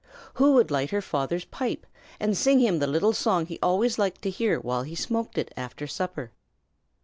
Who would light her father's pipe, and sing him the little song he always liked to hear while he smoked it after supper?